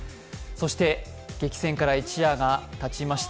そして激戦から一夜がたちました。